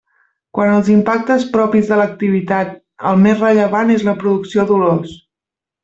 Quant als impactes propis de l'activitat, el més rellevant és la producció d'olors.